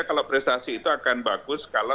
kalau prestasi itu akan bagus kalau